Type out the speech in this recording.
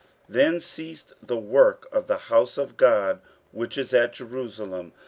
15:004:024 Then ceased the work of the house of God which is at Jerusalem.